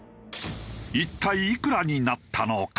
一体いくらになったのか？